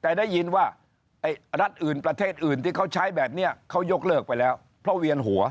แต่ได้ยินว่ารัฐอื่นประเทศอื่นที่เขาใช้แบบนี้เขายกเลิกไปแล้วเพราะเวียนหัว